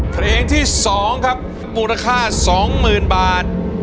เทรงที่สองครับมูลค่าสองหมื่นบาท